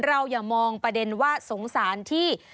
อย่ามองประเด็นว่าสงสารที่